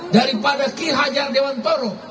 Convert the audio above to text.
daripada ki hajar dewantoro